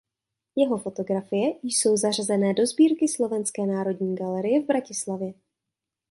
Jeho fotografie jsou zařazené do sbírky Slovenské národní galerie v Bratislavě.